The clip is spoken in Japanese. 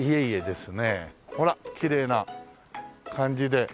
ほらきれいな感じで。